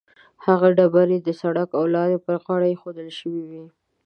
هغه ډبرې د سړک او لارې پر غاړه ایښودل شوې وي.